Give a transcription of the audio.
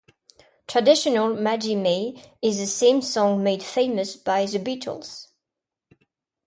Traditional Maggie May is the same song made famous by The Beatles.